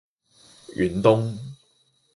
遠東